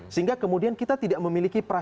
sehingga pulau g itu tidak harus dikajikan